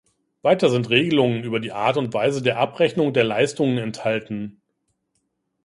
Weiter sind Regelungen über die Art und Weise der Abrechnung der Leistungen enthalten.